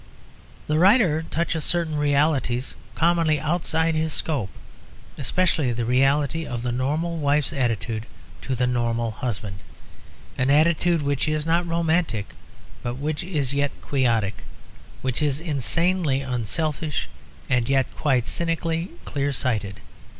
The writer touches certain realities commonly outside his scope; especially the reality of the normal wife's attitude to the normal husband, an attitude which is not romantic but which is yet quite quixotic; which is insanely unselfish and yet quite cynically clear sighted.